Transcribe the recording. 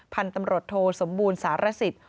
พันธรรมรถโทสมบูรณ์สารสิทธิ์